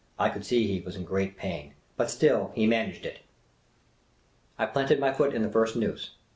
I could see he was in great pain. But still, he managed it. I planted my foot in the first noose.